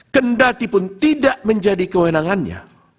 kendati pun tidak menjadi kewenangannya